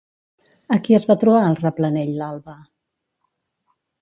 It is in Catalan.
A qui es va trobar al replanell l'Alba?